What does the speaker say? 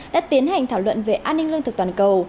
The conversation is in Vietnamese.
đã tiến hành thảo luận về an ninh lương thực toàn cầu